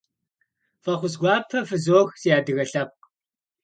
Фӏэхъус гуапэ фызох, си адыгэ лъэпкъ!